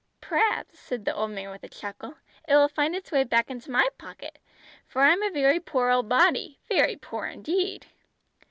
"P'raps," said the old man with a chuckle, "it will find its way back into my pocket, for I'm a very poor old body, very poor indeed!"